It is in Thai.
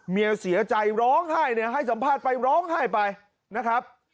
เมียเสียใจร้องไห้เนี่ยให้สัมภาษณ์ไปร้องไห้ไปนะครับ